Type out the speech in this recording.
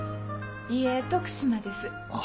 いえ徳島です。